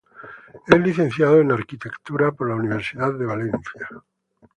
Es Licenciado en Arquitectura por la Universidad de Valencia.